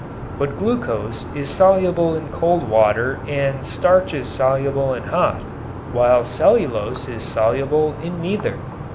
But glucose is soluble in cold water and starch is soluble in hot, while cellulose is soluble in neither.